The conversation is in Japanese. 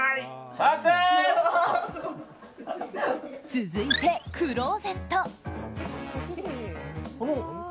続いて、クローゼット。